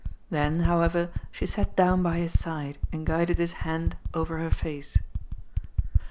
Then, over however, she sat down by his side, and guided his hand her face.